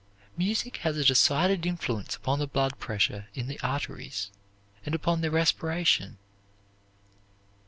Music has a decided influence upon the blood pressure in the arteries, and upon the respiration.